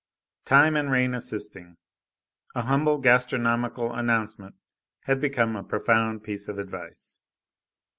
Time and rain assisting, a humble gastronomical announcement had become a profound piece of advice.